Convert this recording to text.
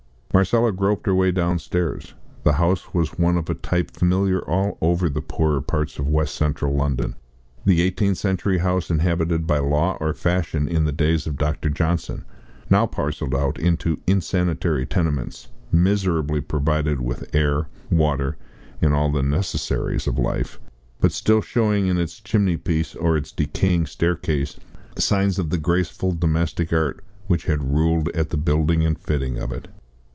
Marcella groped her way downstairs. The house was one of a type familiar all over the poorer parts of West Central London the eighteenth century house inhabited by law or fashion in the days of Dr. Johnson, now parcelled out into insanitary tenements, miserably provided with air, water, and all the necessaries of life, but still showing in its chimney piece or its decaying staircase signs of the graceful domestic art which had ruled at the building and fitting of it.